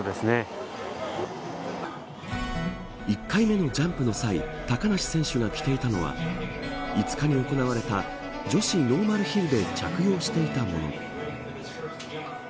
１回目のジャンプの際高梨選手が着ていたのは５日に行われた女子ノーマルヒルで着用していたもの。